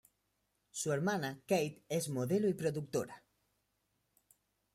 Su hermana, Kate, es modelo y productora.